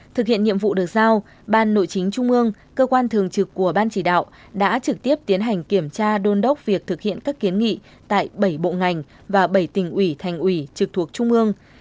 thực hiện nhiệm vụ được giao ban nội chính trung ương cơ quan thường trực của ban chỉ đạo đã trực tiếp tiến hành kiểm tra đôn đốc việc thực hiện các kiến nghị tại bảy bộ ngành và bảy tỉnh ủy thành ủy trực thuộc trung ương